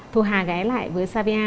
thu hà ghé lại với savia